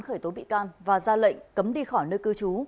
khởi tố bị can và ra lệnh cấm đi khỏi nơi cư trú